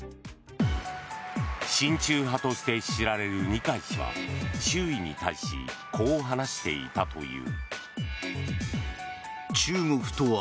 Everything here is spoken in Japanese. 親中派として知られる二階氏は周囲に対しこう話していたという。